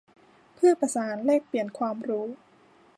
เพื่อประสานแลกเปลี่ยนความรู้